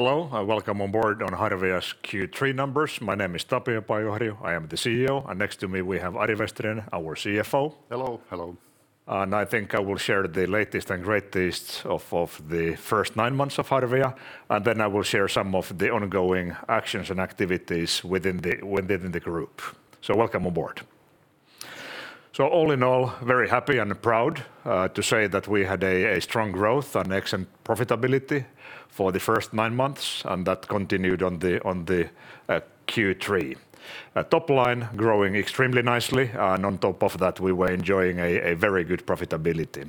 Hello, and welcome on board on Harvia's Q3 numbers. My name is Tapio Pajuharju. I am the CEO. Next to me we have Ari Vesterinen, our CFO. Hello, hello. I think I will share the latest and greatest of the first nine months of Harvia, and then I will share some of the ongoing actions and activities within the group. Welcome aboard. All in all, very happy and proud to say that we had a strong growth and excellent profitability for the first nine months, and that continued on the Q3. Our top line growing extremely nicely, and on top of that, we were enjoying a very good profitability.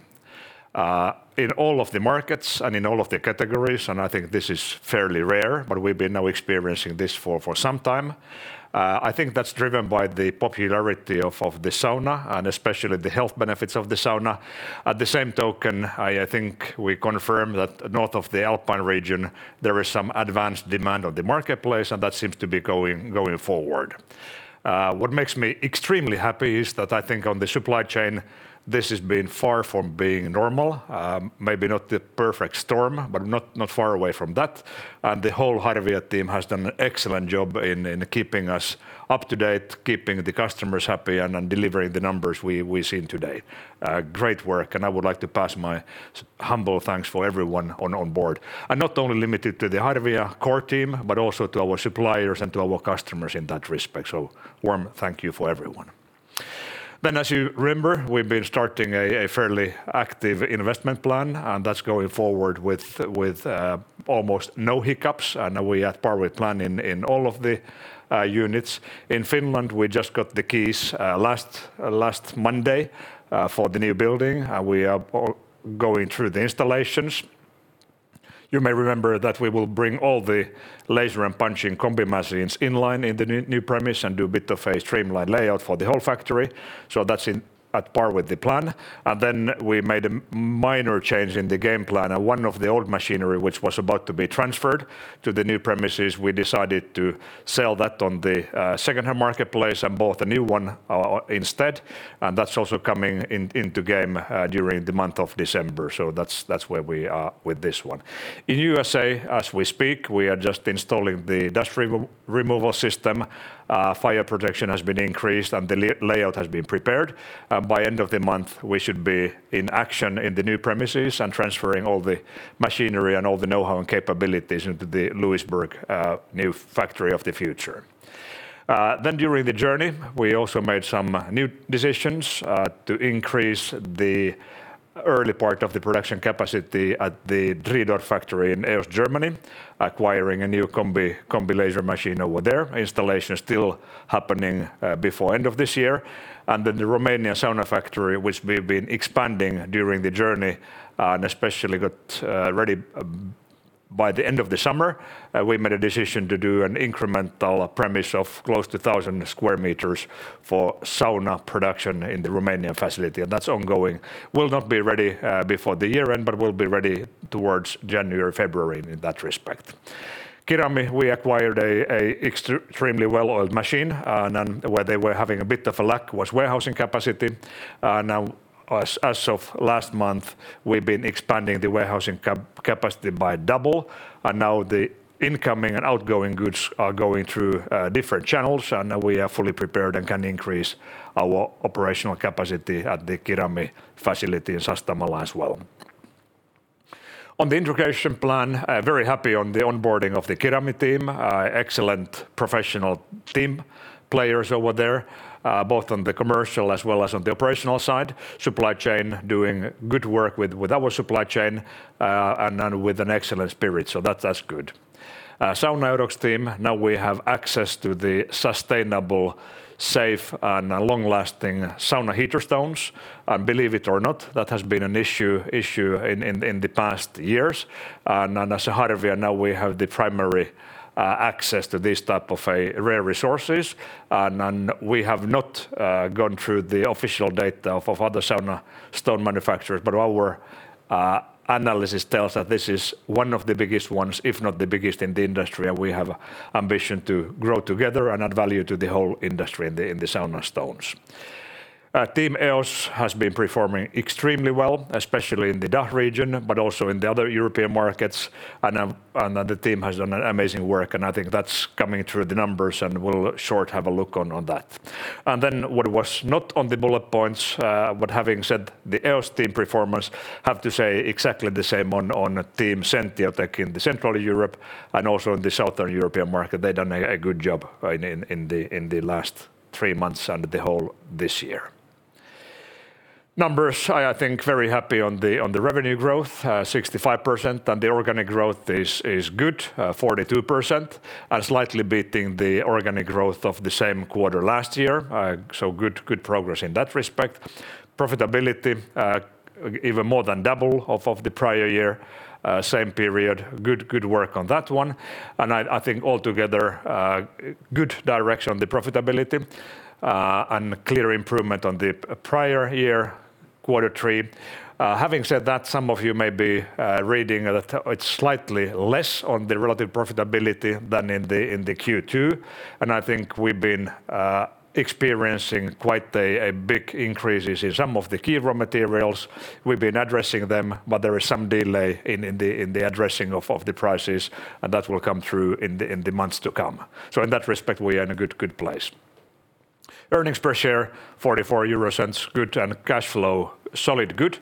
In all of the markets and in all of the categories, and I think this is fairly rare, but we've been now experiencing this for some time. I think that's driven by the popularity of the sauna and especially the health benefits of the sauna. At the same token, I think we confirm that north of the Alpine region, there is some advanced demand on the marketplace, and that seems to be going forward. What makes me extremely happy is that I think on the supply chain, this has been far from being normal. Maybe not the perfect storm, but not far away from that. The whole Harvia team has done an excellent job in keeping us up to date, keeping the customers happy, and delivering the numbers we've seen today. Great work, and I would like to pass my humble thanks for everyone on board. Not only limited to the Harvia core team, but also to our suppliers and to our customers in that respect. Warm thank you for everyone. As you remember, we've been starting a fairly active investment plan, and that's going forward with almost no hiccups. We are at par with plan in all of the units. In Finland, we just got the keys last Monday for the new building. We are all going through the installations. You may remember that we will bring all the laser and punching combi machines in line in the new premise and do a bit of a streamlined layout for the whole factory. That's at par with the plan. We made a minor change in the game plan, and one of the old machinery which was about to be transferred to the new premises, we decided to sell that on the secondhand marketplace and bought a new one instead. That's also coming in, into game, during the month of December. That's where we are with this one. In USA, as we speak, we are just installing the dust removal system. Fire protection has been increased, and the layout has been prepared. By end of the month, we should be in action in the new premises and transferring all the machinery and all the know-how and capabilities into the Lewisburg new factory of the future. During the journey, we also made some new decisions to increase the early part of the production capacity at the Driedorf factory in EOS, Germany, acquiring a new combi laser machine over there. Installation is still happening before end of this year. The Romanian sauna factory, which we've been expanding during the journey, and especially got ready by the end of the summer. We made a decision to do an incremental premise of close to 1,000 sqm for sauna production in the Romanian facility, and that's ongoing. Will not be ready before the year end, but will be ready towards January, February in that respect. Kirami, we acquired an extremely well-oiled machine. And where they were having a bit of a lack was warehousing capacity. Now as of last month, we've been expanding the warehousing capacity by double. Now the incoming and outgoing goods are going through different channels, and we are fully prepared and can increase our operational capacity at the Kirami facility, in Sastamala as well. On the integration plan, very happy on the onboarding of the Kirami team. Excellent professional team players over there, both on the commercial as well as on the operational side. Supply chain doing good work with our supply chain and with an excellent spirit. That’s good. Sauna-Eurox team, now we have access to the sustainable, safe, and long-lasting sauna heater stones. Believe it or not, that has been an issue in the past years. As a Harvia now we have the primary access to these type of rare resources. We have not gone through the official data of other sauna stone manufacturers. Our analysis tells that this is one of the biggest ones, if not the biggest in the industry. We have ambition to grow together and add value to the whole industry in the sauna stones. Our EOS team has been performing extremely well, especially in the DACH region, but also in the other European markets. The team has done an amazing work, and I think that's coming through the numbers, and we'll shortly have a look at that. What was not on the bullet points, but having said the EOS team performance, have to say exactly the same on Sentiotec team in Central Europe and also in the Southern European market. They've done a good job in the last three months and the whole this year. Numbers, I'm very happy on the revenue growth, 65%, and the organic growth is good, 42%. Slightly beating the organic growth of the same quarter last year. So good progress in that respect. Profitability, even more than double of the prior year, same period. Good work on that one. I think altogether, good direction on the profitability, and clear improvement on the prior year, quarter three. Having said that, some of you may be reading that, it's slightly less on the relative profitability than in the Q2, and I think we've been experiencing quite a big increases in some of the key raw materials. We've been addressing them, but there is some delay in the addressing of the prices, and that will come through in the months to come. So in that respect, we are in a good place. Earnings per share 0.44, good, and cash flow, solid good.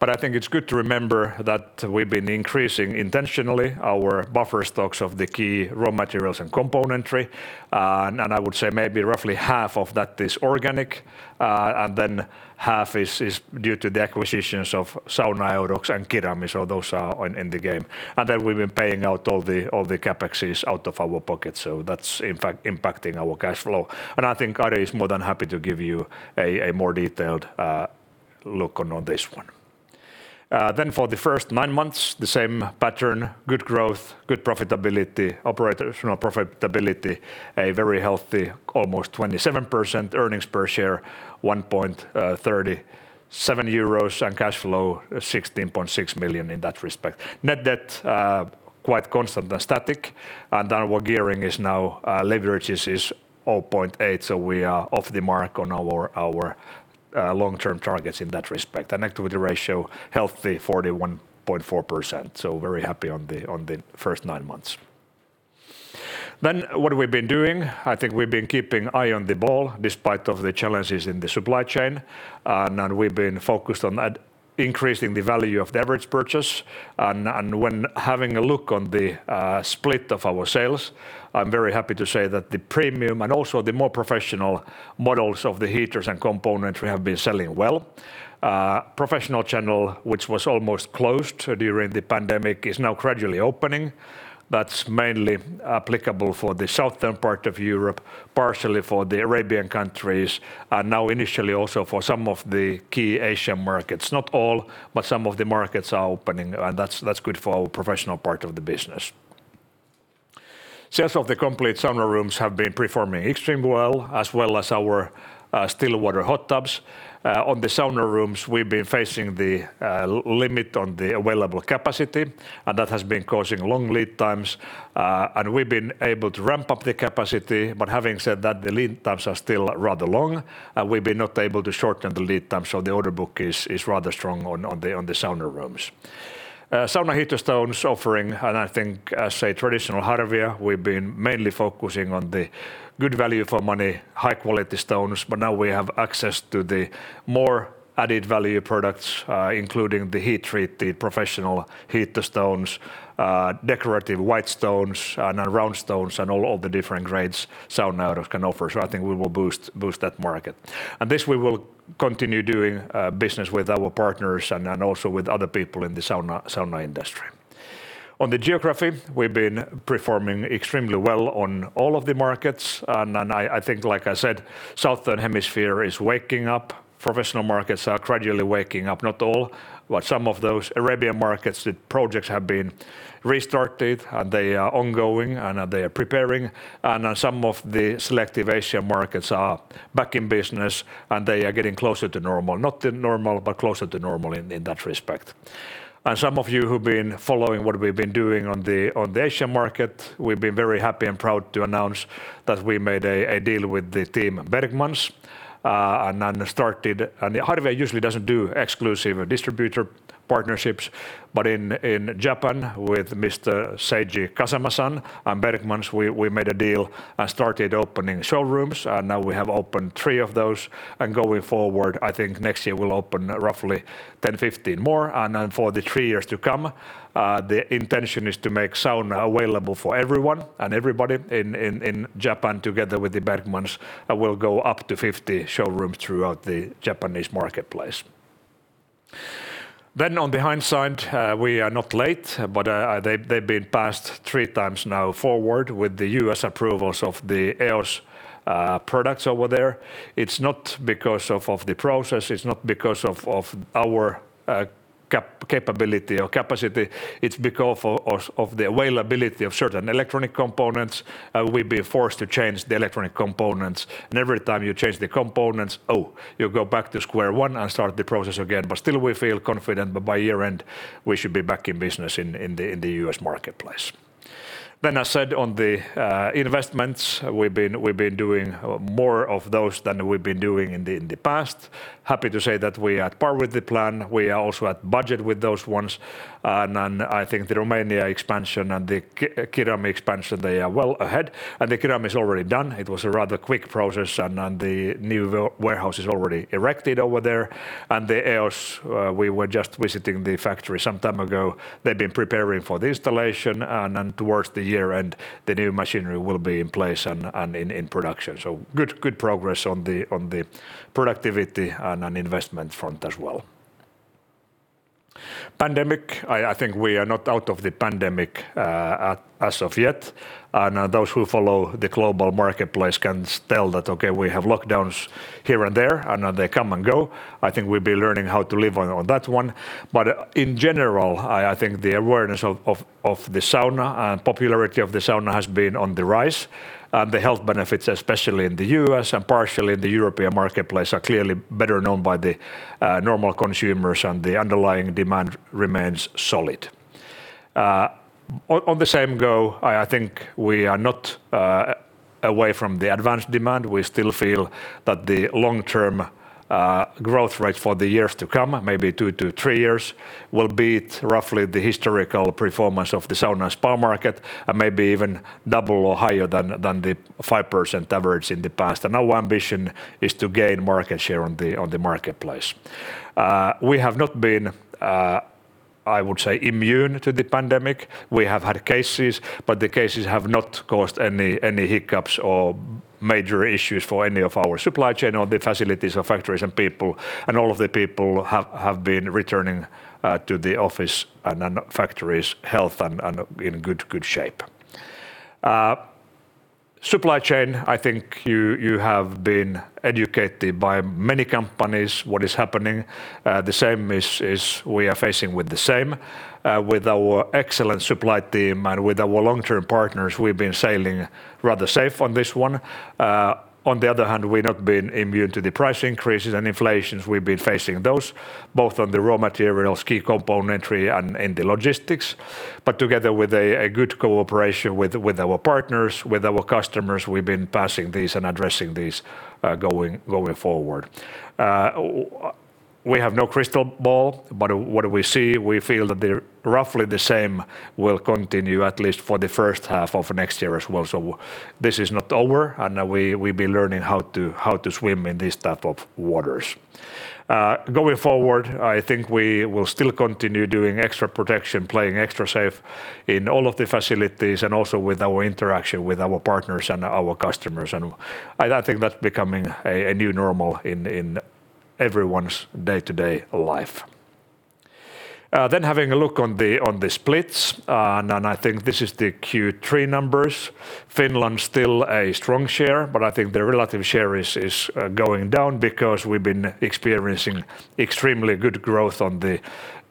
I think it's good to remember that we've been increasing intentionally our buffer stocks of the key raw materials and componentry, and I would say maybe roughly half of that is organic, and then half is due to the acquisitions of Sauna-Eurox and Kirami. Those are in the game. We've been paying out all the CapExes out of our pocket. That's impacting our cash flow. I think Ari is more than happy to give you a more detailed look on this one. For the first nine months, the same pattern, good growth, good profitability, operational profitability, a very healthy almost 27% earnings per share, 1.37 euros and cash flow 16.6 million in that respect. Net debt quite constant and static. Our gearing is now, leverage is 0.8, so we are on the mark on our long-term targets in that respect. Activity ratio healthy 41.4%, so very happy on the first nine months. What we've been doing, I think we've been keeping an eye on the ball despite the challenges in the supply chain. We've been focused on increasing the value of the average purchase. When having a look on the split of our sales, I'm very happy to say that the premium and also the more professional models of the heaters and componentry have been selling well. Professional channel, which was almost closed during the pandemic, is now gradually opening. That's mainly applicable for the southern part of Europe, partially for the Arabian countries, and now initially also for some of the key Asian markets. Not all, but some of the markets are opening, and that's good for our professional part of the business. Sales of the complete sauna rooms have been performing extremely well, as well as our still water hot tubs. On the sauna rooms, we've been facing the limit on the available capacity, and that has been causing long lead times. We've been able to ramp up the capacity, but having said that, the lead times are still rather long, and we've been not able to shorten the lead time, so the order book is rather strong on the sauna rooms. Sauna heater stones offering, and I think as a traditional Harvia, we've been mainly focusing on the good value for money, high-quality stones, but now we have access to the more added value products, including the heat-treated professional heater stones, decorative white stones, and round stones, and all the different grades Sauna-Eurox can offer. I think we will boost that market. This we will continue doing business with our partners and also with other people in the sauna industry. On the geography, we've been performing extremely well on all of the markets. I think, like I said, southern hemisphere is waking up. Professional markets are gradually waking up. Not all, but some of those Arabian markets, the projects have been restarted, and they are ongoing, and they are preparing. Some of the selective Asian markets are back in business, and they are getting closer to normal. Not to normal, but closer to normal in that respect. Some of you who've been following what we've been doing on the Asian market, we've been very happy and proud to announce that we made a deal with the team Bergman, and then started. Harvia usually doesn't do exclusive distributor partnerships, but in Japan with Mr. Seiji Kasama and Bergman, we made a deal and started opening showrooms, and now we have opened three of those. Going forward, I think next year we'll open roughly 10, 15 more. For the three years to come, the intention is to make sauna available for everyone and everybody in Japan together with the Bergman, and we'll go up to 50 showrooms throughout the Japanese marketplace. In hindsight, we are not late, but they've been passed three times now forward with the U.S. approvals of the EOS products over there. It's not because of the process. It's not because of our capability or capacity. It's because of the availability of certain electronic components. We've been forced to change the electronic components. Every time you change the components, you go back to square one and start the process again. Still we feel confident that by year-end we should be back in business in the U.S. marketplace. I said on the investments, we've been doing more of those than we've been doing in the past. Happy to say that we are at par with the plan. We are also at budget with those ones. I think the Romania expansion and the Kirami expansion, they are well ahead. The Kirami is already done. It was a rather quick process, and the new warehouse is already erected over there. The EOS, we were just visiting the factory some time ago. They've been preparing for the installation, and towards the year-end, the new machinery will be in place and in production. Good progress on the productivity and investment front as well. Pandemic, I think we are not out of the pandemic, as of yet. Those who follow the global marketplace can tell that, okay, we have lockdowns here and there, and they come and go. I think we'll be learning how to live on that one. In general, I think the awareness of the sauna and popularity of the sauna has been on the rise. The health benefits, especially in the U.S. and partially in the European marketplace, are clearly better known by the normal consumers, and the underlying demand remains solid. On the same go, I think we are not away from the advanced demand. We still feel that the long-term growth rate for the years to come, maybe two to three years, will be roughly the historical performance of the sauna spa market, and maybe even double or higher than the 5% average in the past. Our ambition is to gain market share on the marketplace. We have not been, I would say, immune to the pandemic. We have had cases, but the cases have not caused any hiccups or major issues for any of our supply chain or the facilities or factories and people. All of the people have been returning to the office and factories, healthy and in good shape. Supply chain, I think you have been educated by many companies what is happening. The same is we are facing with the same, with our excellent supply team and with our long-term partners, we've been sailing rather safe on this one. On the other hand, we've not been immune to the price increases and inflations. We've been facing those both on the raw materials, key componentry, and in the logistics. Together with a good cooperation with our partners, with our customers, we've been passing these and addressing these, going forward. We have no crystal ball, but what do we see, we feel that they're roughly the same will continue at least for the first half of next year as well. This is not over, and we'll be learning how to swim in these type of waters. Going forward, I think we will still continue doing extra protection, playing extra safe in all of the facilities and also with our interaction with our partners and our customers. I think that's becoming a new normal in everyone's day-to-day life. Having a look on the splits, and I think this is the Q3 numbers. Finland still a strong share, but I think the relative share is going down because we've been experiencing extremely good growth on the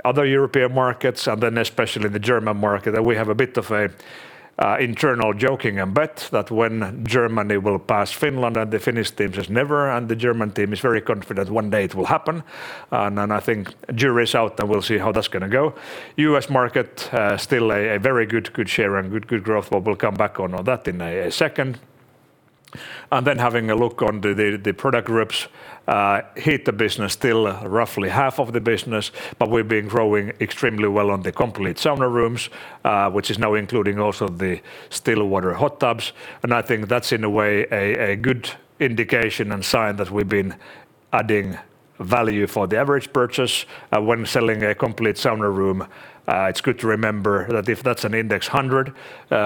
other European markets and then especially the German market. We have a bit of an internal joking and bet that when Germany will pass Finland and the Finnish teams says never, and the German team is very confident one day it will happen. I think jury's out, and we'll see how that's gonna go. U.S. market, still a very good share and good growth, but we'll come back on that in a second. Having a look on the product groups, heater business still roughly half of the business, but we've been growing extremely well on the complete sauna rooms, which is now including also the still water hot tubs. I think that's in a way a good indication and sign that we've been adding value for the average purchase, when selling a complete sauna room. It's good to remember that if that's an index of 100,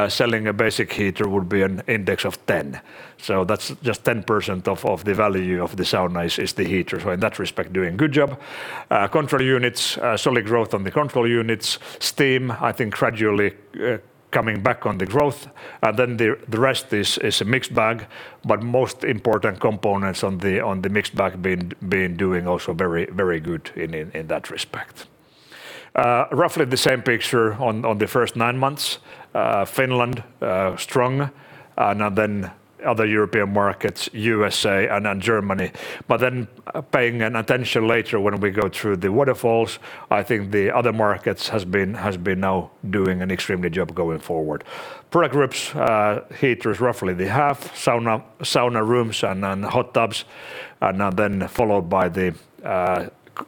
selling a basic heater would be an index of 10. So that's just 10% of the value of the sauna is the heater. So in that respect, doing good job. Control units, solid growth on the control units. Steam, I think gradually coming back on the growth. The rest is a mixed bag, but most important components on the mixed bag been doing also very, very good in that respect. Roughly the same picture on the first nine months. Finland strong, and then other European markets, USA and then Germany. Paying attention later when we go through the waterfalls, I think the other markets has been now doing an extremely good job going forward. Product groups, heaters roughly they have sauna rooms and then hot tubs, and then followed by the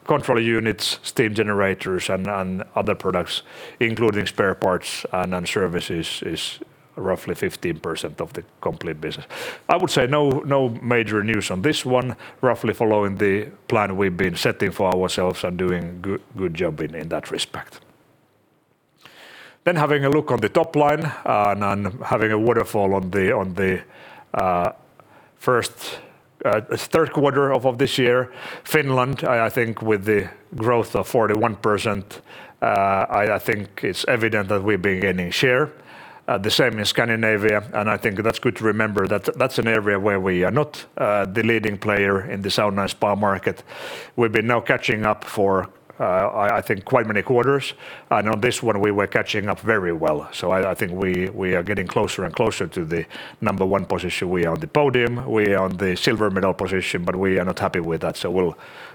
control units, steam generators and other products, including spare parts and then services is roughly 15% of the complete business. I would say no major news on this one. Roughly following the plan we've been setting for ourselves and doing good job in that respect. Having a look on the top line and having a waterfall on the third quarter of this year. Finland, I think with the growth of 41%, I think it's evident that we're gaining share. The same in Scandinavia, and I think that's good to remember that that's an area where we are not the leading player in the sauna and spa market. We've been now catching up for I think quite many quarters. On this one, we were catching up very well. I think we are getting closer and closer to the number one position. We are on the podium, we are on the silver medal position, but we are not happy with that.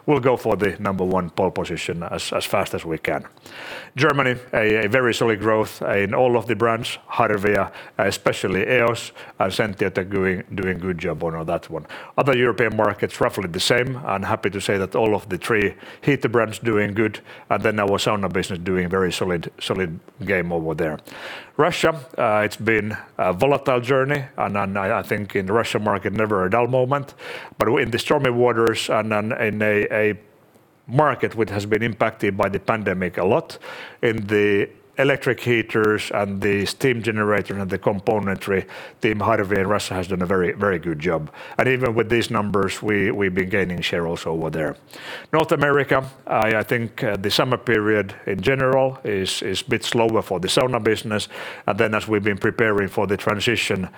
We'll go for the number one pole position as fast as we can. Germany, a very solid growth in all of the brands, Harvia, especially EOS and Sentiotec doing good job on that one. Other European markets, roughly the same. I'm happy to say that all of the three heater brands doing good, and then our sauna business doing very solid game over there. Russia, it's been a volatile journey and I think in the Russia market, never a dull moment. In the stormy waters and then in a market which has been impacted by the pandemic a lot, in the electric heaters and the steam generator and the componentry, team Harvia in Russia has done a very good job. Even with these numbers, we've been gaining share also over there. North America, I think the summer period in general is a bit slower for the sauna business. As we've been preparing for the transition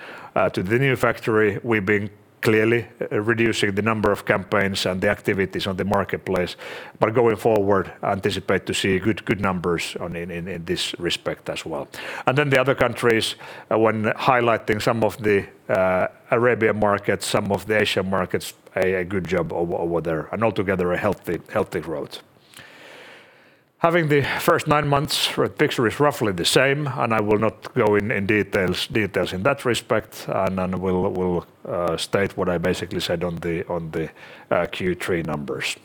to the new factory, we've been clearly reducing the number of campaigns and the activities on the marketplace. Going forward, we anticipate to see good numbers in this respect as well. Then the other countries, when highlighting some of the Arabian markets, some of the Asian markets, a good job over there, and altogether a healthy growth. Having the first nine months, the picture is roughly the same, and I will not go in details in that respect. We'll state what I basically said on the Q3 numbers.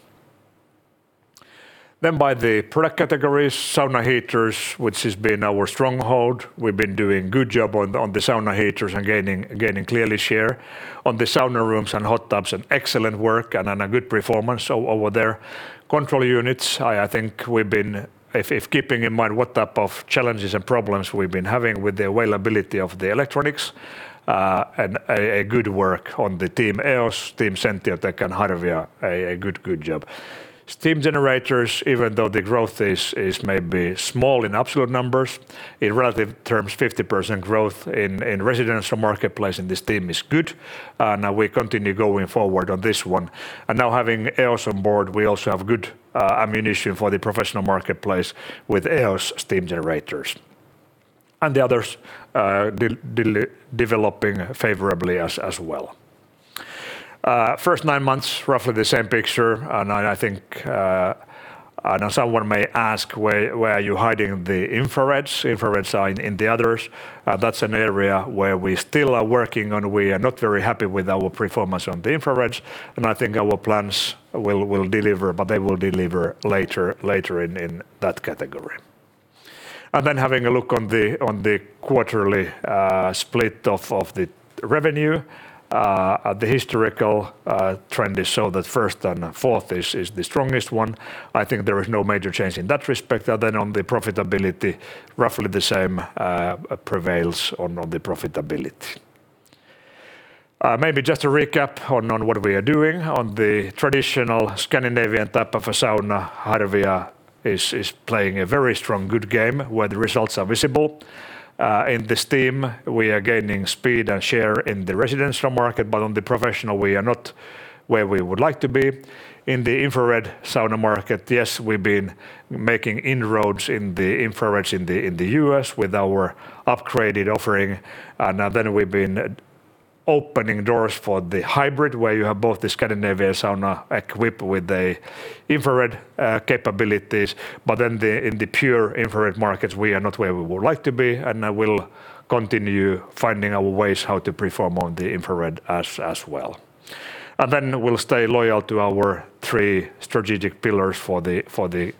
By the product categories, sauna heaters, which has been our stronghold. We've been doing good job on the sauna heaters and gaining clearly share. On the sauna rooms and hot tubs, an excellent work and a good performance over there. Control units, I think we've been, it's keeping in mind what type of challenges and problems we've been having with the availability of the electronics, and a good work on the team EOS, team Sentiotec, and Harvia, a good job. Steam generators, even though the growth is maybe small in absolute numbers, in relative terms, 50% growth in residential marketplace in the steam is good, and we continue going forward on this one. Now having EOS on board, we also have good ammunition for the professional marketplace with EOS steam generators. The others developing favorably as well. First nine months, roughly the same picture, and I think I know someone may ask, "Where are you hiding the infrareds?" Infrareds are in the others. That's an area where we still are working on. We are not very happy with our performance on the infrareds, and I think our plans will deliver, but they will deliver later in that category. Then having a look on the quarterly split of the revenue, the historical trend is so that first and fourth is the strongest one. I think there is no major change in that respect. Then on the profitability, roughly the same prevails on the profitability. Maybe just to recap on what we are doing. On the traditional Scandinavian type of a sauna, Harvia is playing a very strong, good game where the results are visible. In the steam, we are gaining speed and share in the residential market, but on the professional we are not where we would like to be. In the infrared sauna market, yes, we've been making inroads in the infrareds in the U.S. with our upgraded offering. We've been opening doors for the hybrid, where you have both the Scandinavian sauna equipped with the infrared capabilities. In the pure infrared markets, we are not where we would like to be, and we'll continue finding our ways how to perform on the infrared as well. We'll stay loyal to our three strategic pillars for the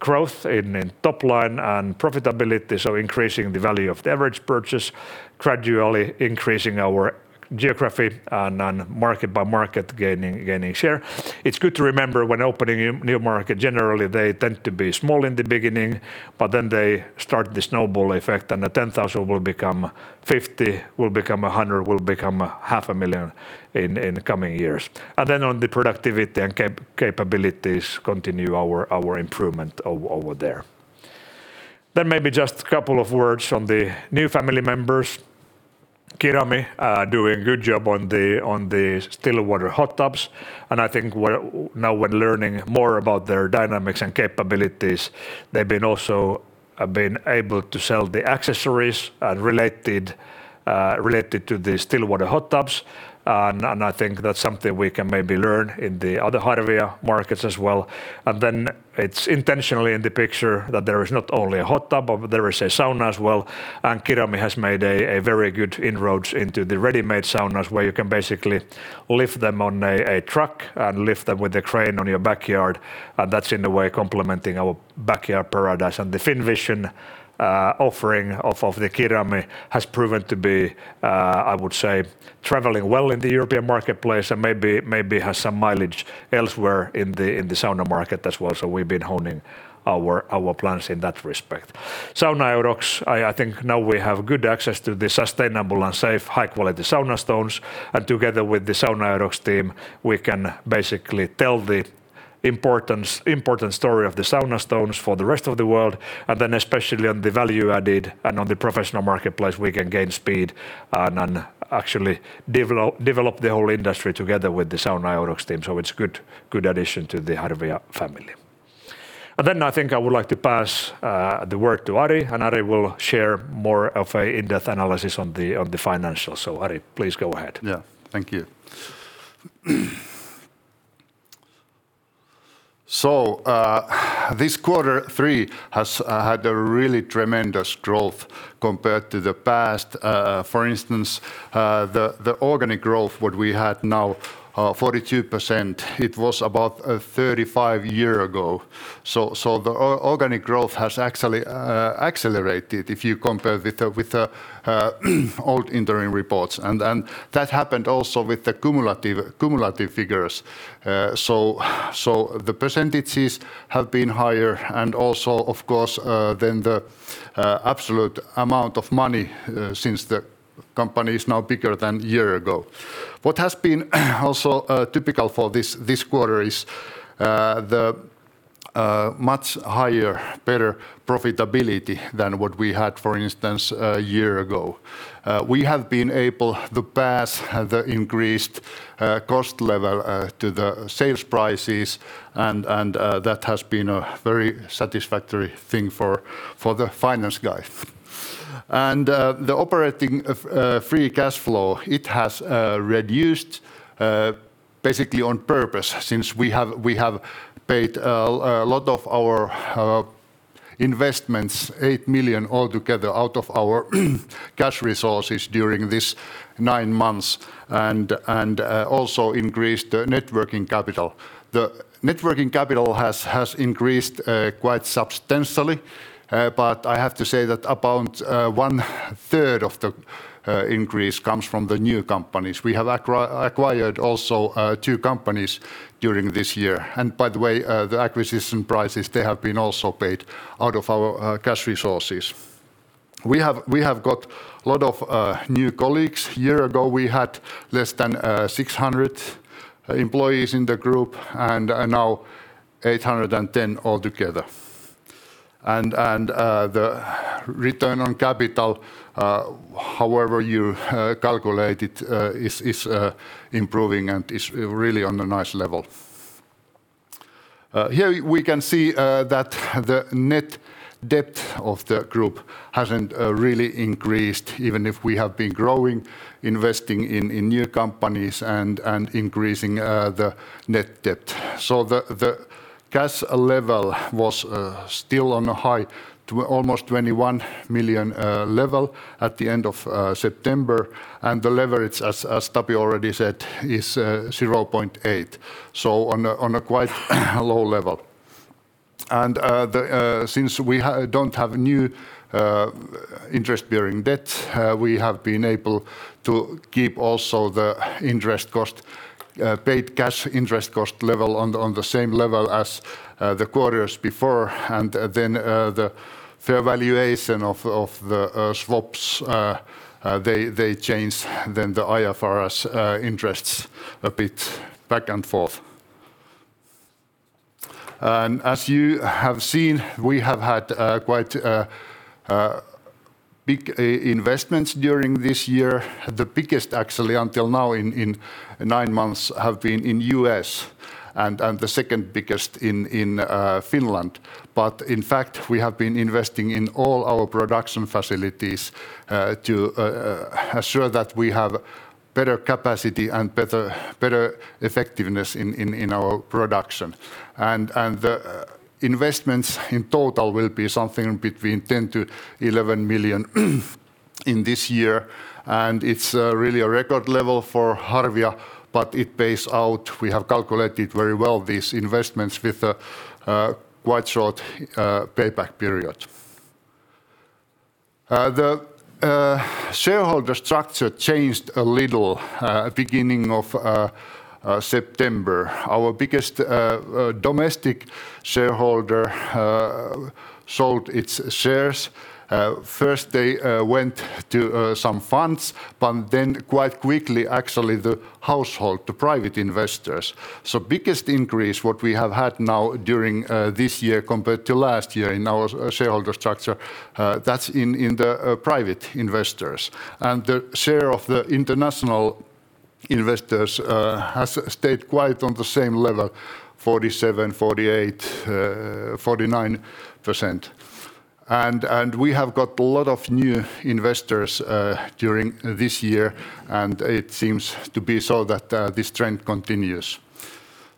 growth in top line and profitability, so increasing the value of the average purchase, gradually increasing our geography and on market by market gaining share. It's good to remember when opening a new market, generally they tend to be small in the beginning, but then they start the snowball effect, and the 10,000 will become 50,000, will become 100,000, will become 500,000 in the coming years. Then on the productivity and capabilities, continue our improvement over there. Then maybe just a couple of words on the new family members. Kirami are doing good job on the still water hot tubs, and I think we're learning more about their dynamics and capabilities. They've also been able to sell the accessories related to the still water hot tubs. I think that's something we can maybe learn in the other Harvia markets as well. It's intentionally in the picture that there is not only a hot tub, but there is a sauna as well. Kirami has made very good inroads into the ready-made saunas, where you can basically lift them on a truck and lift them with a crane on your backyard. That's in a way complementing our backyard paradise. The FinVision offering of the Kirami has proven to be, I would say, traveling well in the European marketplace and maybe has some mileage elsewhere in the sauna market as well. We've been honing our plans in that respect. Sauna-Eurox, I think now we have good access to the sustainable and safe high-quality sauna stones. Together with the Sauna-Eurox team, we can basically tell the important story of the sauna stones for the rest of the world. Especially on the value added and on the professional marketplace, we can gain speed and actually develop the whole industry together with the Sauna-Eurox team. It's a good addition to the Harvia family. I think I would like to pass the work to Ari, and Ari will share more of an in-depth analysis on the financials. Ari, please go ahead. This quarter three has had a really tremendous growth compared to the past. For instance, the organic growth what we had now, 42%, it was about 35% a year ago. The organic growth has actually accelerated if you compare with the old interim reports. That happened also with the cumulative figures. The percentages have been higher and also, of course, than the absolute amount of money since the company is now bigger than a year ago. What has been also typical for this quarter is the much higher, better profitability than what we had, for instance, a year ago. We have been able to pass the increased cost level to the sales prices and that has been a very satisfactory thing for the finance guys. The operating free cash flow has reduced basically on purpose since we have paid a lot of our investments, 8 million altogether out of our cash resources during this nine months and also increased the net working capital. The net working capital has increased quite substantially. But I have to say that about 1/3 of the increase comes from the new companies. We have acquired two companies during this year. By the way, the acquisition prices have been also paid out of our cash resources. We have got a lot of new colleagues. A year ago, we had less than 600 employees in the group and now 810 altogether. The return on capital, however you calculate it, is improving and is really on a nice level. Here we can see that the net debt of the group hasn't really increased even if we have been growing, investing in new companies and increasing the net debt. The cash level was still on a high to almost 21 million level at the end of September. The leverage, as Tapio already said, is 0.8, so on a quite low level. Since we don't have new interest-bearing debt, we have been able to keep also the interest cost paid cash interest cost level on the same level as the quarters before. Then the fair valuation of the swaps they change the IFRS interests a bit back and forth. As you have seen, we have had quite big investments during this year. The biggest actually until now in nine months have been in U.S. and the second biggest in Finland. In fact, we have been investing in all our production facilities to assure that we have better capacity and better effectiveness in our production. Investments in total will be something between 10 million-11 million in this year. It's really a record level for Harvia, but it pays out. We have calculated very well these investments with quite short payback period. The shareholder structure changed a little beginning of September. Our biggest domestic shareholder sold its shares. First, they went to some funds, but then quite quickly actually the household, the private investors. Biggest increase what we have had now during this year compared to last year in our shareholder structure, that's in the private investors. The share of the international investors has stayed quite on the same level, 47%, 48%, 49%. We have got a lot of new investors during this year, and it seems to be so that this trend continues.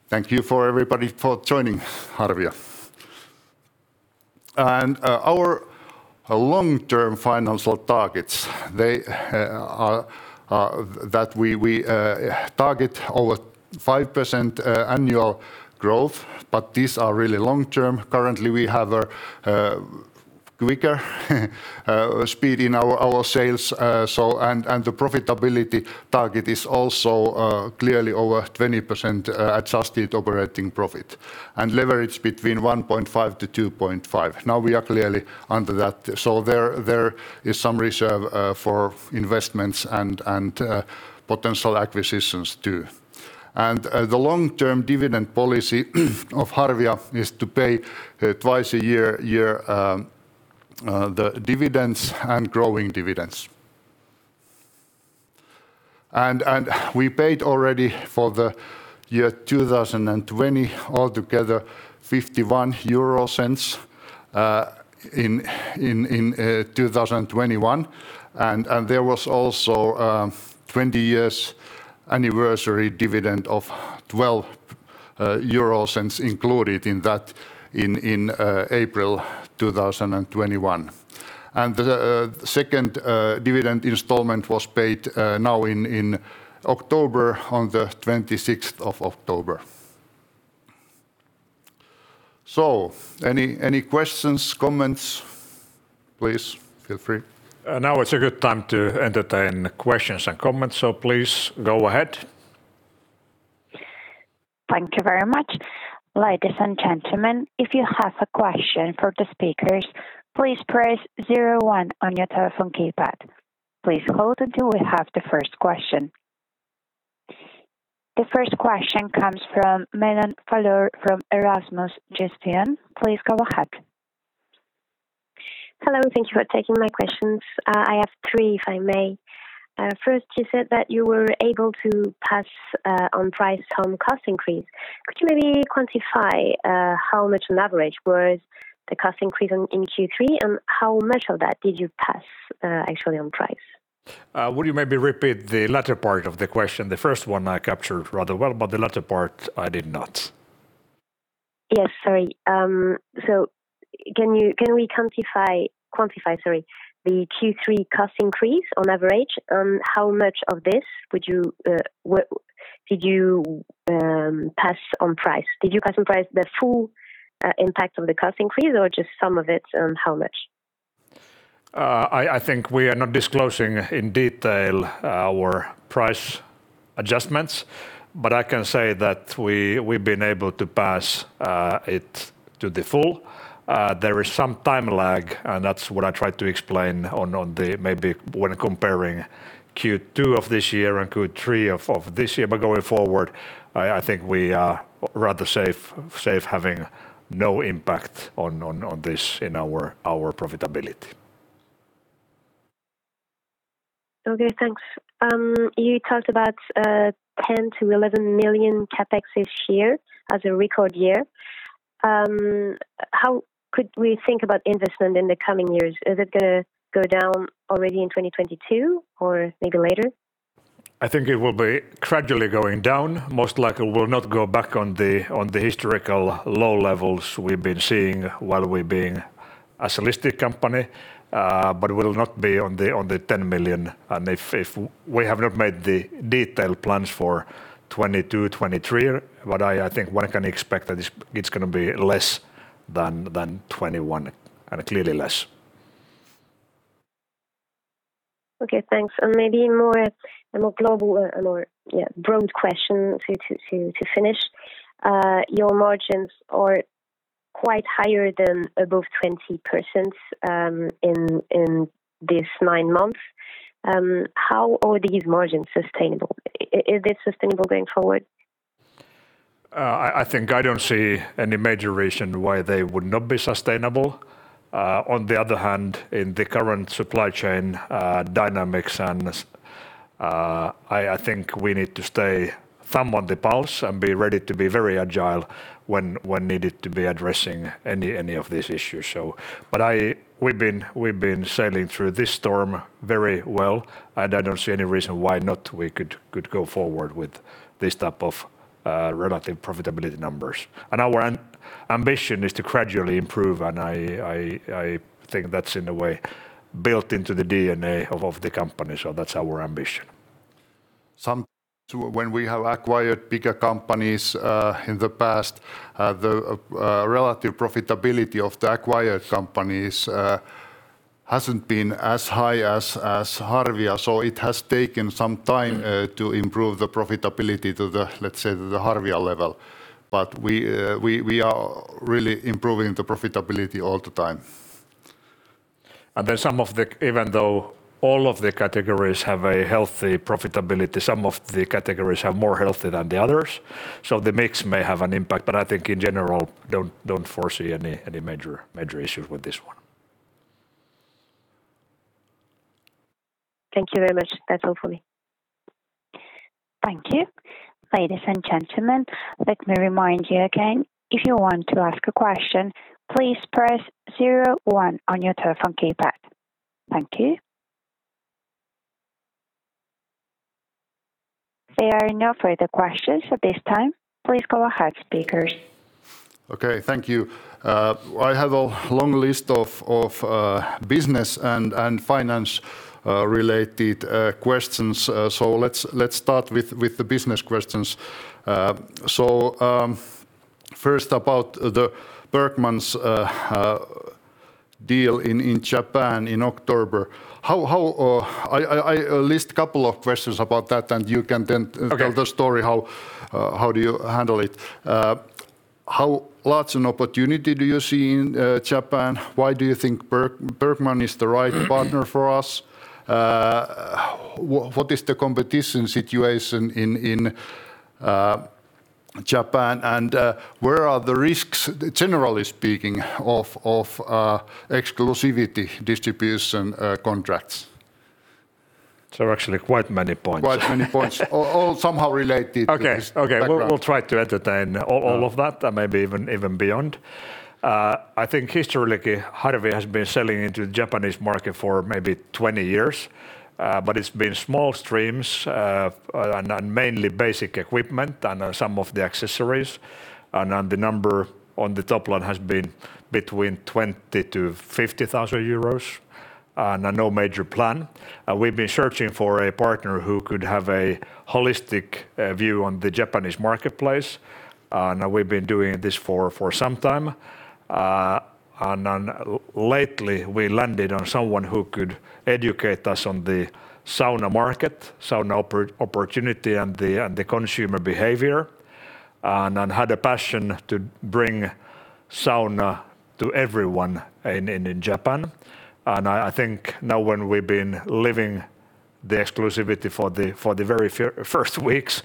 Thank you to everybody for joining Harvia. Our long-term financial targets, they are that we target over 5% annual growth, but these are really long-term. Currently, we have a weaker pace in our sales. The profitability target is also clearly over 20% adjusted operating profit and leverage between 1.5-2.5. Now we are clearly under that. There is some reserve for investments and potential acquisitions too. The long-term dividend policy of Harvia is to pay twice a year the dividends and growing dividends. We paid already for the year 2020 altogether 0.51 in 2021, and there was also a 20-year anniversary dividend of 0.12 euros included in that in April 2021. The second dividend installment was paid now in October, on 26th of October. Any questions, comments? Please feel free. Now it's a good time to entertain questions and comments, so please go ahead. Thank you very much. Ladies and gentlemen, if you have a question for the speakers, please press zero one on your telephone keypad. Please hold until we have the first question. The first question comes from [Melane Fallor] from Erasmus Gestion. Please go ahead. Hello. Thank you for taking my questions. I have three, if I may. First, you said that you were able to pass on price on cost increase. Could you maybe quantify how much on average was the cost increase on in Q3 and how much of that did you pass actually on price? Would you maybe repeat the latter part of the question? The first one I captured rather well, but the latter part I did not. Yes. Sorry. Can we quantify, sorry, the Q3 cost increase on average, on how much of this did you pass on price? Did you pass on price the full impact of the cost increase or just some of it, and how much? I think we are not disclosing in detail our price adjustments, but I can say that we've been able to pass it to the full. There is some time lag, and that's what I tried to explain on the margin when comparing Q2 of this year and Q3 of this year. Going forward, I think we are rather safe having no impact on this in our profitability. Okay, thanks. You talked about 10 million-11 million CapEx this year as a record year. How could we think about investment in the coming years? Is it gonna go down already in 2022 or maybe later? I think it will be gradually going down. Most likely will not go back to the historical low levels we've been seeing while we're being a holistic company, but will not be at the 10 million. If we have not made the detailed plans for 2022, 2023, but I think one can expect that it's gonna be less than 2021, and clearly less. Okay, thanks. Maybe a more global or yeah broad question to finish. Your margins are quite higher than above 20% in this nine months. How are these margins sustainable? Is this sustainable going forward? I think I don't see any major reason why they would not be sustainable. On the other hand, in the current supply chain dynamics and, I think we need to keep thumb on the pulse and be ready to be very agile when needed to be addressing any of these issues. We've been sailing through this storm very well, and I don't see any reason why not we could go forward with this type of relative profitability numbers. Our ambition is to gradually improve, and I think that's in a way built into the DNA of the company, so that's our ambition. When we have acquired bigger companies in the past, the relative profitability of the acquired companies hasn't been as high as Harvia, so it has taken some time to improve the profitability to the, let's say, the Harvia level. We are really improving the profitability all the time. Even though all of the categories have a healthy profitability, some of the categories are more healthy than the others. The mix may have an impact, but I think in general, I don't foresee any major issues with this one. Thank you very much. That's all for me. Thank you. Ladies and gentlemen, let me remind you again. If you want to ask a question, please press zero one on your telephone keypad. Thank you. There are no further questions at this time. Please go ahead, speakers. Okay, thank you. I have a long list of business and finance related questions. Let's start with the business questions. First about the Bergman's deal in Japan in October. I list a couple of questions about that, and you can then. Okay. Tell the story how do you handle it. How large an opportunity do you see in Japan? Why do you think Bergman is the right partner for us? What is the competition situation in Japan? Where are the risks, generally speaking, of exclusive distribution contracts? There are actually quite many points. Quite many points. All somehow related to this background. We'll try to entertain all of that, and maybe even beyond. I think historically, Harvia has been selling into the Japanese market for maybe 20 years, but it's been small streams, and mainly basic equipment and some of the accessories. The number on the top line has been between 20,000-50,000 euros and no major plan. We've been searching for a partner who could have a holistic view on the Japanese marketplace, and we've been doing this for some time. Lately, we landed on someone who could educate us on the sauna market, sauna opportunity and the consumer behavior, and had a passion to bring sauna to everyone in Japan. I think now when we've been living the exclusivity for the very first weeks,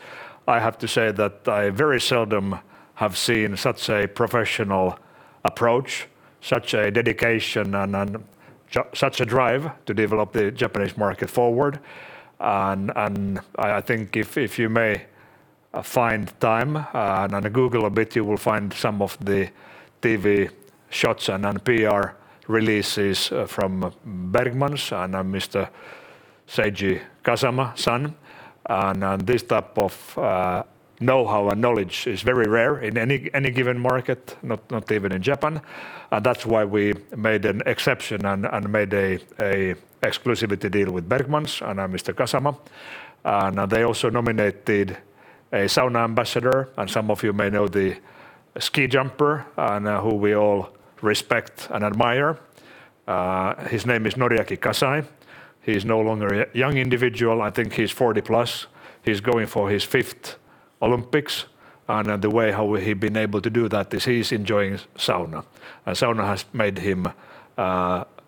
I have to say that I very seldom have seen such a professional approach, such a dedication and such a drive to develop the Japanese market forward. I think if you may find time and Google a bit, you will find some of the TV shots and PR releases from Bergman and Mr. Seiji Kasama-san. This type of know-how and knowledge is very rare in any given market, not even in Japan. That's why we made an exception and made an exclusivity deal with Bergman and Mr. Kasama. They also nominated a sauna ambassador, and some of you may know the ski jumper who we all respect and admire. His name is Noriaki Kasai. He's no longer a young individual. I think he's 40+. He's going for his fifth Olympics, and the way how he's been able to do that is he's enjoying sauna. Sauna has made him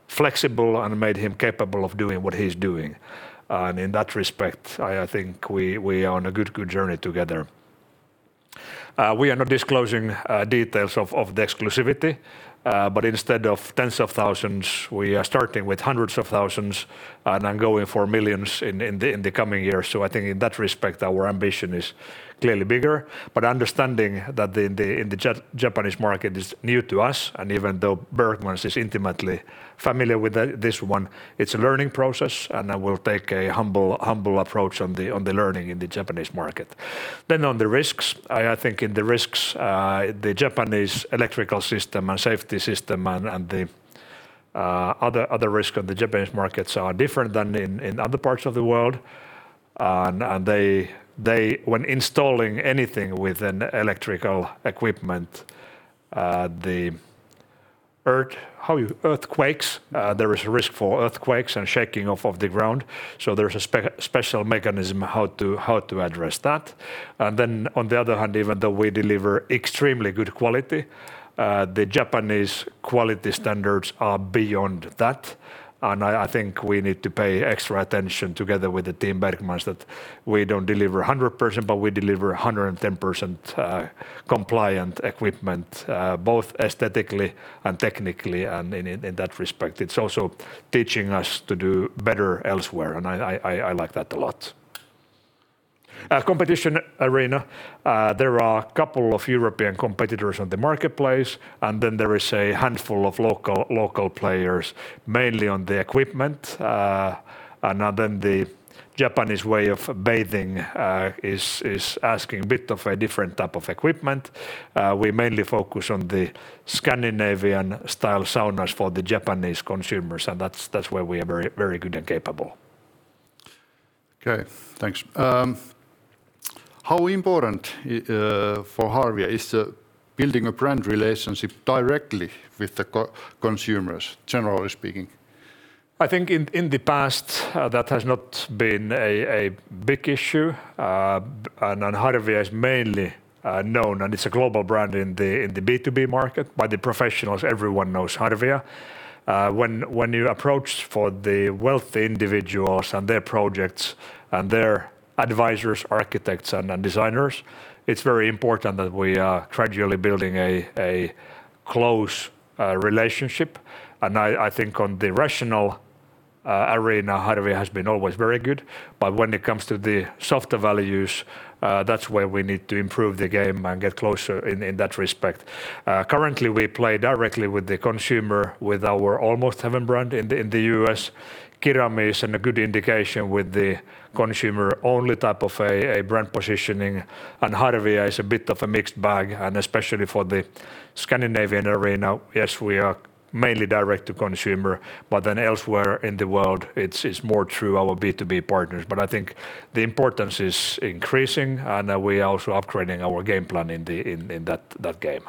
flexible and made him capable of doing what he's doing. In that respect, I think we are on a good journey together. We are not disclosing details of the exclusivity, but instead of tens of thousands, we are starting with hundreds of thousands, and then going for millions in the coming years. I think in that respect our ambition is clearly bigger. Understanding that the Japanese market is new to us, and even though Bergman is intimately familiar with this one, it's a learning process, and we'll take a humble approach on the learning in the Japanese market. On the risks, I think in the risks, the Japanese electrical system and safety system and the other risk on the Japanese markets are different than in other parts of the world. They, when installing anything with an electrical equipment, earthquakes, there is a risk for earthquakes and shaking of the ground. There is a special mechanism how to address that. On the other hand, even though we deliver extremely good quality, the Japanese quality standards are beyond that. I think we need to pay extra attention together with the team Bergman that we don't deliver 100%, but we deliver 110%, compliant equipment, both aesthetically and technically. In that respect, it's also teaching us to do better elsewhere, and I like that a lot. Competition arena, there are a couple of European competitors on the marketplace, and then there is a handful of local players, mainly on the equipment. Then the Japanese way of bathing is asking a bit of a different type of equipment. We mainly focus on the Scandinavian-style saunas for the Japanese consumers, and that's where we are very good and capable. Okay. Thanks. How important for Harvia is building a brand relationship directly with the end consumers, generally speaking? I think in the past that has not been a big issue. Harvia is mainly known, and it's a global brand in the B2B market. By the professionals, everyone knows Harvia. When you approach for the wealthy individuals and their projects and their advisors, architects, and designers, it's very important that we are gradually building a close relationship. I think on the rational arena, Harvia has been always very good. When it comes to the softer values, that's where we need to improve the game and get closer in that respect. Currently we play directly with the consumer with our Almost Heaven brand in the U.S. Kirami is a good indication with the consumer-only type of a brand positioning. Harvia is a bit of a mixed bag, and especially for the Scandinavian arena, yes, we are mainly direct to consumer. Elsewhere in the world, it's more through our B2B partners. I think the importance is increasing, and we are also upgrading our game plan in that game.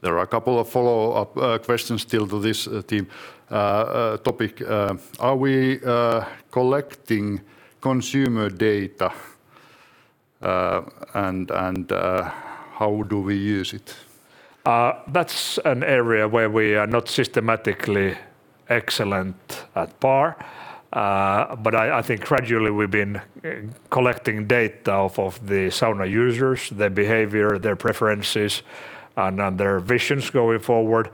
There are a couple of follow-up questions still to this theme, topic. Are we collecting consumer data, and how do we use it? That's an area where we are not systematically excellent at par. I think gradually we've been collecting data of the sauna users, their behavior, their preferences, and their visions going forward.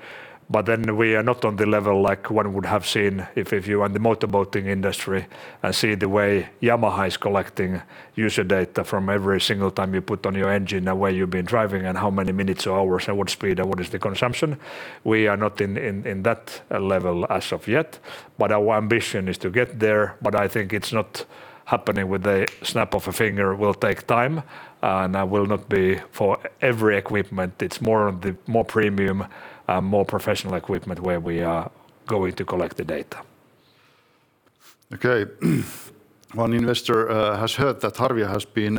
We are not on the level like one would have seen if you are in the motorboating industry and see the way Yamaha is collecting user data from every single time you put on your engine and where you've been driving and how many minutes or hours and what speed and what is the consumption. We are not in that level as of yet, but our ambition is to get there. I think it's not happening with a snap of a finger. It will take time, and will not be for every equipment. It's more on the more premium, more professional equipment where we are going to collect the data. Okay. One investor has heard that Harvia has been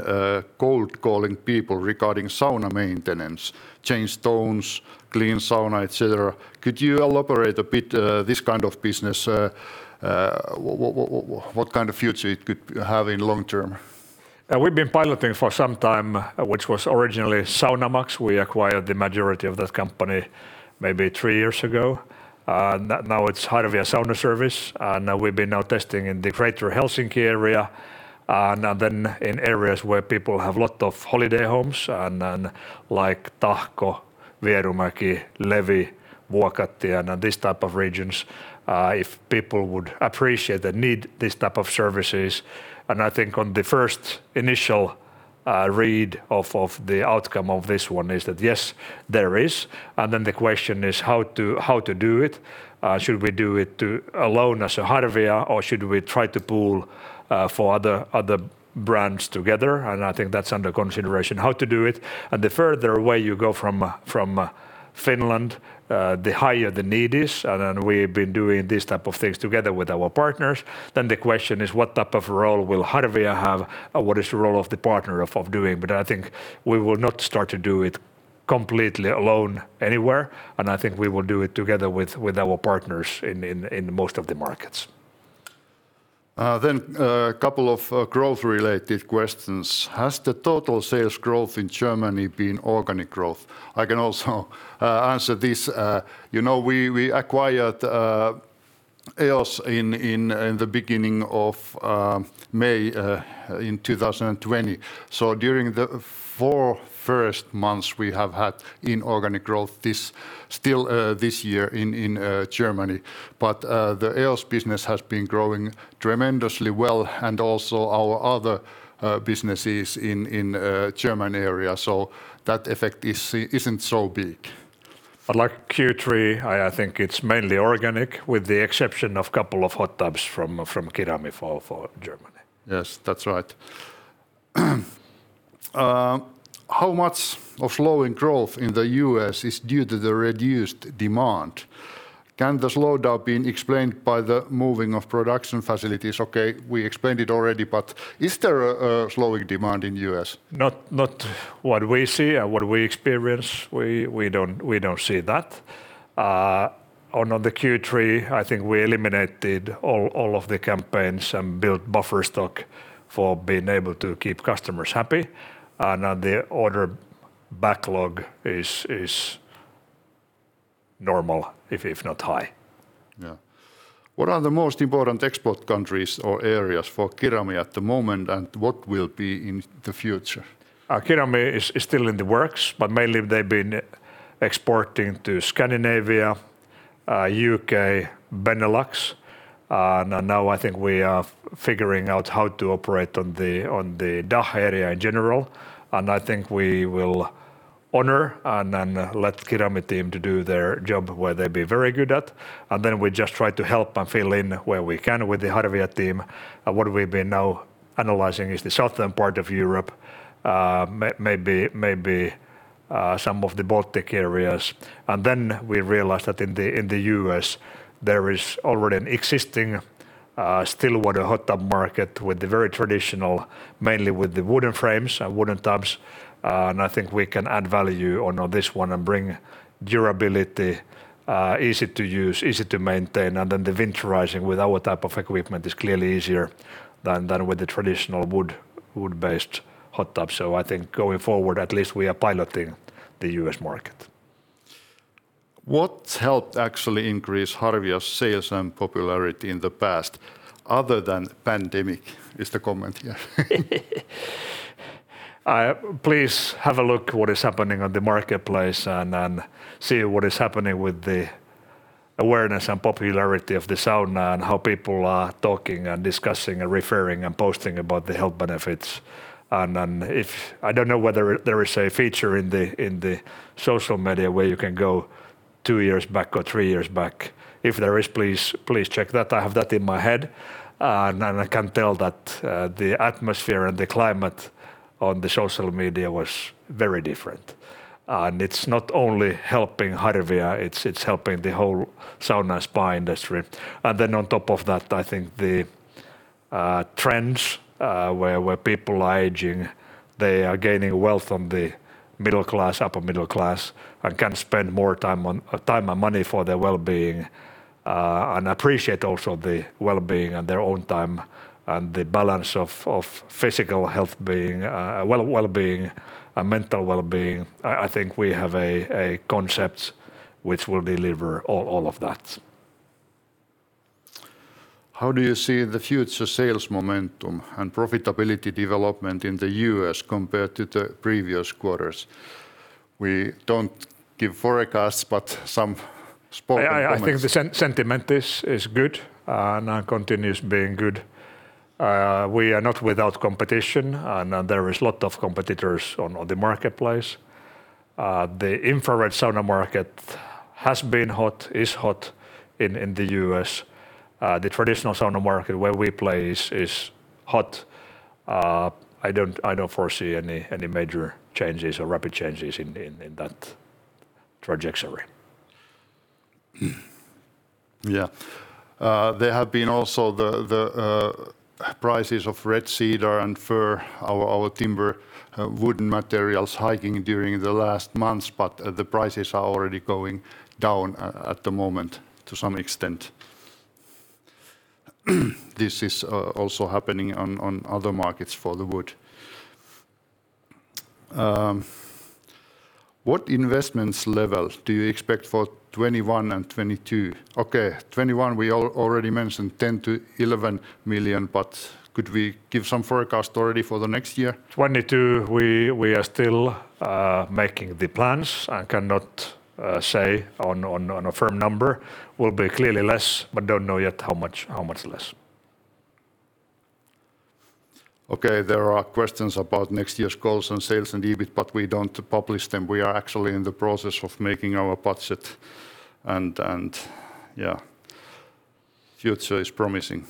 cold calling people regarding sauna maintenance, change stones, clean sauna, et cetera. Could you elaborate a bit this kind of business? What kind of future it could have in long term? We've been piloting for some time, which was originally SaunaMax. We acquired the majority of that company maybe three years ago. Now it's Harvia Sauna Service, and we've been testing in the greater Helsinki area, and then in areas where people have a lot of holiday homes and then like Tahko, Vierumäki, Levi, Vuokatti, and these type of regions, if people would appreciate and need these type of services. I think on the first initial read of the outcome of this one is that, yes, there is. Then the question is how to do it. Should we do it alone as a Harvia, or should we try to pool for other brands together? I think that's under consideration how to do it. The further away you go from Finland, the higher the need is. Then we've been doing these type of things together with our partners. The question is what type of role will Harvia have, or what is the role of the partner of doing? I think we will not start to do it completely alone anywhere, and I think we will do it together with our partners in most of the markets. Couple of growth-related questions. Has the total sales growth in Germany been organic growth? I can also answer this. You know, we acquired EOS in the beginning of May in 2020. During the first four months, we have had inorganic growth still this year in Germany. The EOS business has been growing tremendously well and also our other businesses in Germany. That effect isn't so big. Like Q3, I think it's mainly organic with the exception of couple of hot tubs from Kirami for Germany. Yes, that's right. How much of the slowing growth in the U.S. is due to the reduced demand? Can the slowdown be explained by the moving of production facilities? Okay, we explained it already, but is there a slowing demand in the U.S.? Not what we see and what we experience. We don't see that. On the Q3, I think we eliminated all of the campaigns and built buffer stock for being able to keep customers happy, and the order backlog is normal, if not high. Yeah. What are the most important export countries or areas for Kirami at the moment, and what will be in the future? Kirami is still in the works, but mainly they've been exporting to Scandinavia, U.K., Benelux. Now I think we are figuring out how to operate on the DACH area in general, and I think we will honour and then let Kirami team to do their job where they'll be very good at. We just try to help and fill in where we can with the Harvia team. What we've been now analyzing is the southern part of Europe, maybe some of the Baltic areas. We realized that in the U.S., there is already an existing still water hot tub market with the very traditional, mainly with the wooden frames and wooden tubs. I think we can add value on this one and bring durability, easy to use, easy to maintain, and then the winterizing with our type of equipment is clearly easier than with the traditional wood-based hot tub. I think going forward, at least we are piloting the U.S. market. What helped actually increase Harvia's sales and popularity in the past other than pandemic? It's the comment here. Please have a look what is happening on the marketplace and see what is happening with the awareness and popularity of the sauna and how people are talking and discussing and referring and posting about the health benefits. I don't know whether there is a feature in the social media where you can go two years back or three years back. If there is, please check that. I have that in my head. I can tell that the atmosphere and the climate on the social media was very different. It's not only helping Harvia, it's helping the whole sauna spa industry. On top of that, I think the trends where people are aging, they are gaining wealth on the middle class, upper middle class, and can spend more time, time and money for their wellbeing, and appreciate also the wellbeing and their own time and the balance of physical wellbeing and mental wellbeing. I think we have a concept which will deliver all of that. How do you see the future sales momentum and profitability development in the U.S. compared to the previous quarters? We don't give forecasts, but some spoken comments. I think the sentiment is good and continues being good. We are not without competition, and there is a lot of competitors on the marketplace. The infrared sauna market has been hot, is hot in the U.S. The traditional sauna market where we play is hot. I don't foresee any major changes or rapid changes in that trajectory. Yeah. There have been also the prices of red cedar and fir, our timber, wooden materials hiking during the last months, but the prices are already going down at the moment to some extent. This is also happening on other markets for the wood. What investments level do you expect for 2021 and 2022? Okay, 2021 we already mentioned 10 million-11 million, but could we give some forecast already for the next year? 2022, we are still making the plans. I cannot say on a firm number. Will be clearly less, but don't know yet how much less. Okay. There are questions about next year's goals, and sales, and EBIT, but we don't publish them. We are actually in the process of making our budget, and yeah. Future is promising.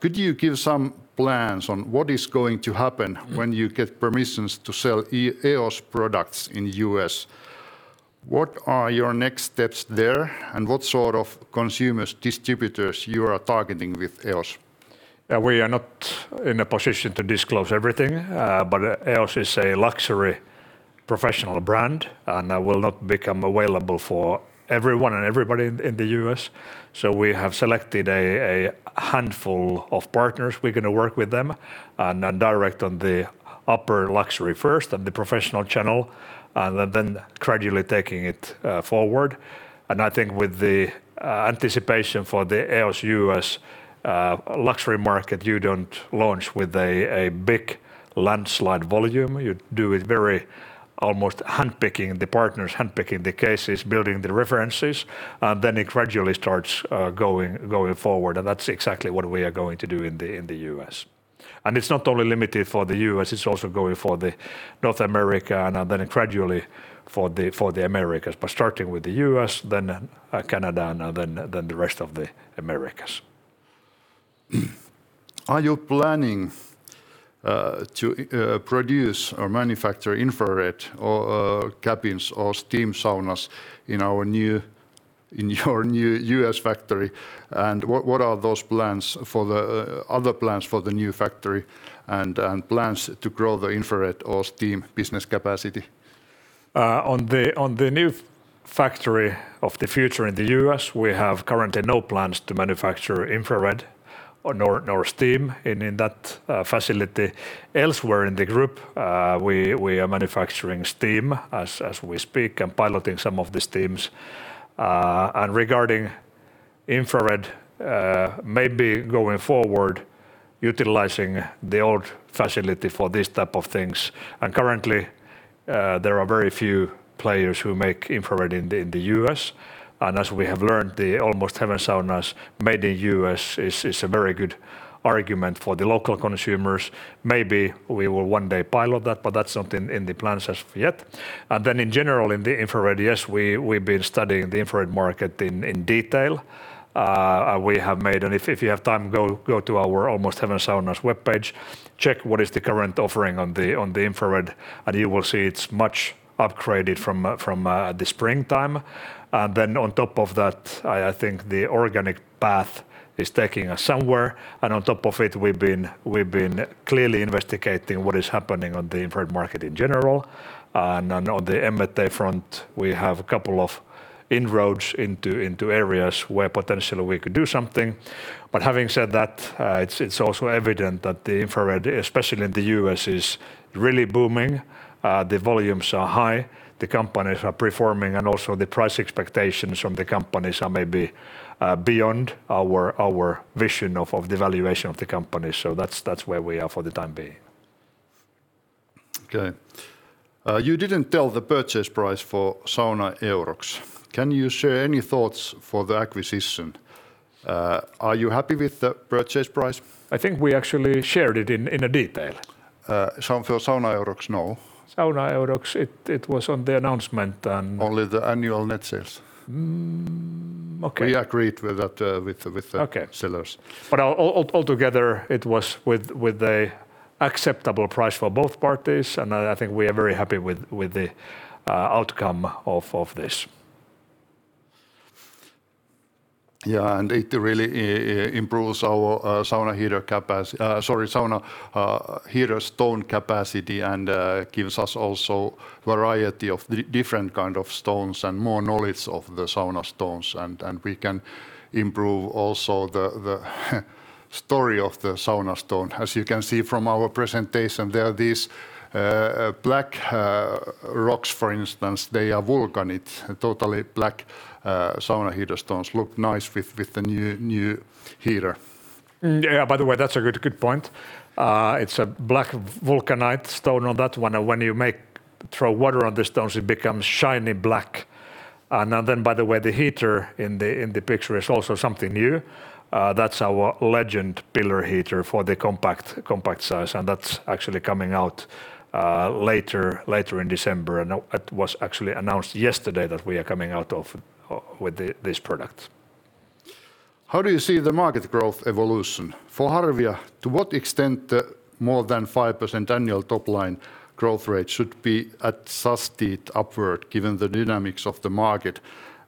Could you give some plans on what is going to happen when you get permissions to sell EOS products in U.S.? What are your next steps there, and what sort of consumers, distributors you are targeting with EOS? Yeah. We are not in a position to disclose everything, but EOS is a luxury professional brand, and will not become available for everyone and everybody in the U.S. We have selected a handful of partners. We're gonna work with them on a direct on the upper luxury first on the professional channel, and then gradually taking it forward. I think with the anticipation for the EOS U.S. luxury market, you don't launch with a big landslide volume. You do it very almost handpicking the partners, handpicking the cases, building the references, and then it gradually starts going forward, and that's exactly what we are going to do in the U.S. It's not only limited for the U.S. It's also going for North America, and then gradually for the Americas, but starting with the U.S., then Canada, and then the rest of the Americas. Are you planning to produce or manufacture infrared or cabins or steam saunas in your new U.S. factory? What are those plans for the other plans for the new factory and plans to grow the infrared or steam business capacity? On the new factory of the future in the U.S., we have currently no plans to manufacture infrared or nor steam in that facility. Elsewhere in the group, we are manufacturing steam as we speak and piloting some of the steams. Regarding infrared, maybe going forward utilizing the old facility for this type of things. Currently, there are very few players who make infrared in the U.S. As we have learned, the Almost Heaven Saunas made in U.S. is a very good argument for the local consumers. Maybe we will one day pilot that, but that's not in the plans as of yet. In general, in the infrared, yes, we've been studying the infrared market in detail. We have made, and if you have time, go to our Almost Heaven Saunas webpage. Check what is the current offering on the infrared, and you will see it's much upgraded from the springtime. On top of that, I think the organic path is taking us somewhere. On top of it, we've been clearly investigating what is happening on the infrared market in general. On the M&A front, we have a couple of inroads into areas where potentially we could do something. Having said that, it's also evident that the infrared, especially in the U.S., is really booming. The volumes are high. The companies are performing, black rocks, for instance. They are vulcanite, totally black sauna heater stones. They look nice with the new heater. Yeah, by the way, that's a good point. It's a black vulcanite stone on that one. When you throw water on the stones, it becomes shiny black. By the way, the heater in the picture is also something new. That's our Legend pillar heater for the compact size, and that's actually coming out later in December. It was actually announced yesterday that we are coming out with this product. How do you see the market growth evolution? For Harvia, to what extent the more than 5% annual top line growth rate should be at sustained upward given the dynamics of the market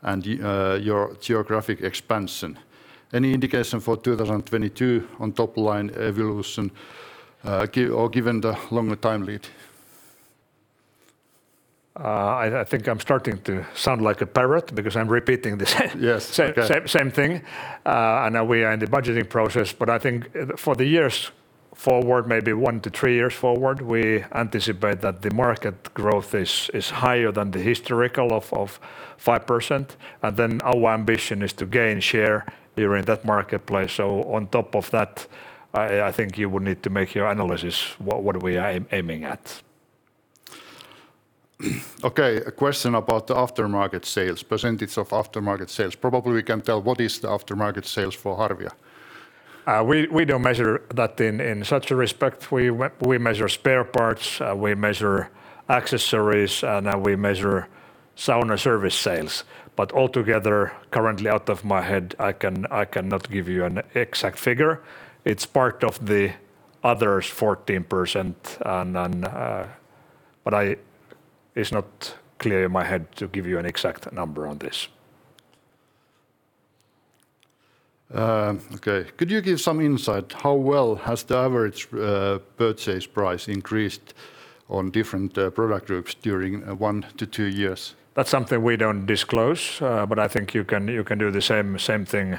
and your geographic expansion? Any indication for 2022 on top line evolution, or given the longer time lead? I think I'm starting to sound like a parrot because I'm repeating the sa- Yes. Okay Same thing. Now we are in the budgeting process, but I think for the years forward, maybe one to three years forward, we anticipate that the market growth is higher than the historical 5%. Then our ambition is to gain share during that marketplace. On top of that, I think you will need to make your analysis what we are aiming at. Okay. A question about the aftermarket sales, percentage of aftermarket sales. Probably we can tell what is the aftermarket sales for Harvia. We don't measure that in such a respect. We measure spare parts, we measure accessories, and we measure sauna service sales. All together, currently out of my head, I cannot give you an exact figure. It's part of the others 14% and then, it's not clear in my head to give you an exact number on this. Okay. Could you give some insight how well has the average purchase price increased on different product groups during one to two years? That's something we don't disclose, but I think you can do the same thing.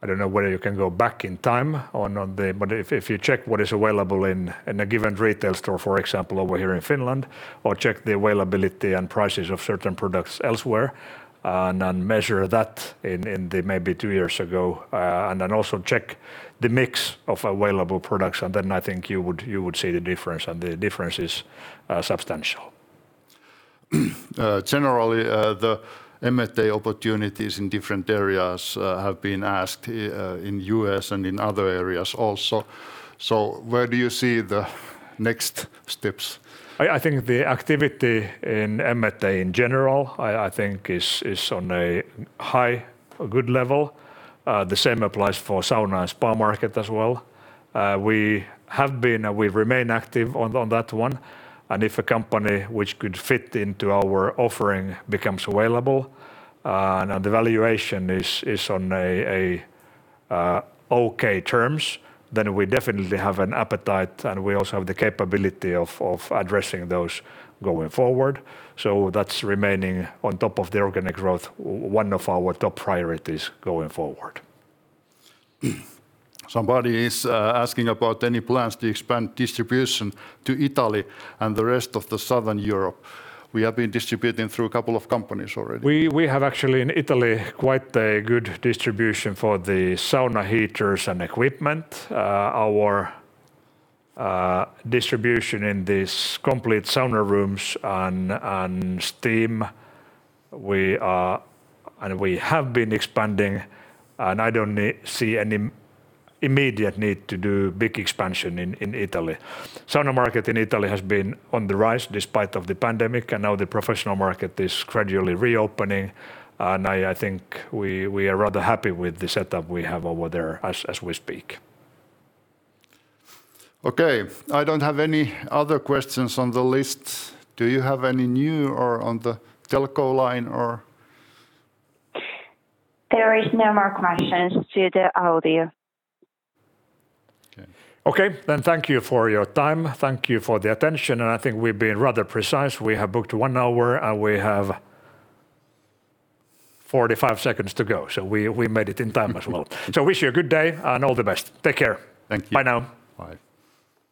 I don't know whether you can go back in time. If you check what is available in a given retail store, for example, over here in Finland or check the availability and prices of certain products elsewhere and then measure that in the maybe two years ago, and then also check the mix of available products, and then I think you would see the difference, and the difference is substantial. Generally, the M&A opportunities in different areas have been asked in U.S. and in other areas also. Where do you see the next steps? I think the activity in M&A in general is on a high, good level. The same applies for sauna and spa market as well. We have been and we remain active on that one, and if a company which could fit into our offering becomes available, and the valuation is on a okay terms, then we definitely have an appetite, and we also have the capability of addressing those going forward. That's remaining on top of the organic growth one of our top priorities going forward. Somebody is asking about any plans to expand distribution to Italy and the rest of the Southern Europe. We have been distributing through a couple of companies already. We have actually in Italy quite a good distribution for the sauna heaters and equipment. Our distribution in the complete sauna rooms and steam. We have been expanding, and I don't see any immediate need to do big expansion in Italy. Sauna market in Italy has been on the rise despite of the pandemic, and now the professional market is gradually reopening. I think we are rather happy with the setup we have over there as we speak. Okay. I don't have any other questions on the list. Do you have any new or on the telco line or? There is no more questions to the audio. Okay. Thank you for your time. Thank you for the attention, and I think we've been rather precise. We have booked one hour, and we have 45 seconds to go. We made it in time as well. Wish you a good day and all the best. Take care. Thank you. Bye now. Bye.